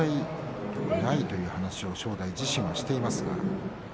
体調は問題ないという話を正代自身がしています。